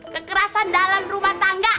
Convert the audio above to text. kekerasan dalam rumah tangga